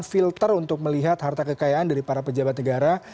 filter untuk melihat harta kekayaan dari para pejabat negara